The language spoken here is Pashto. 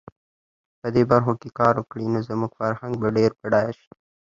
په دې برخو کې کار وکړي، نو زموږ فرهنګ به ډېر بډایه شي.